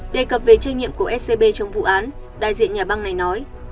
đề cập về trách nhiệm của scb trong vụ án đại diện nhà băng này nói